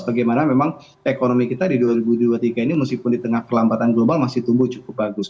bagaimana memang ekonomi kita di dua ribu dua puluh tiga ini meskipun di tengah kelambatan global masih tumbuh cukup bagus